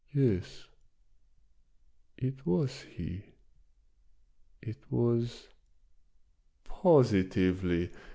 " Yes ! it was he ; it was, positively